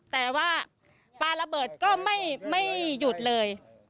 แต่ว่าปลาระเบิดก็ไม่หยุดเลย